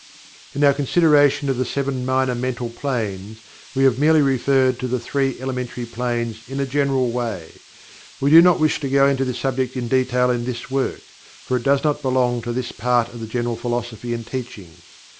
In our consideration of the Seven Minor Mental Planes, we have merely referred to the Three Elementary Planes in a general way. We do not wish to go into this subject in detail in this work, for it does not belong to this part of the general philosophy and teachings.